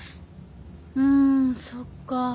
うんそっか。